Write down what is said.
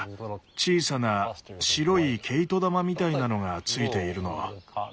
小さな白い毛糸玉みたいなのがついているの。